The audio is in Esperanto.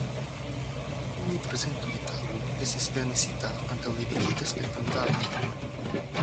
Unu prezento je tago estis permesita antaŭ limigita spektantaro.